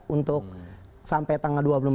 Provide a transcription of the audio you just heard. untuk sampai tanggal dua puluh empat